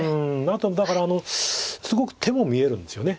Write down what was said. あとはだからすごく手も見えるんですよね。